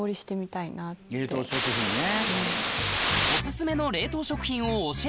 冷凍食品ね。